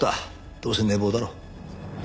どうせ寝坊だろ。